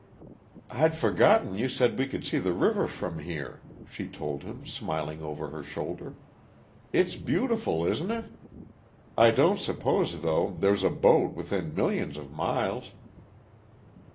"I'd forgotten you said we could see the river from here," she told him, smiling over her shoulder. "It's beautiful, isn't it? I don't suppose, though, there's a boat within millions of miles."